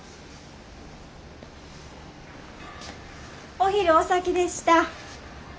お昼お先でした。